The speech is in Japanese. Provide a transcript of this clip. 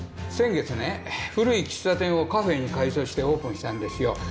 先月ね古い喫茶店をカフェに改装してオープンしたんですよ。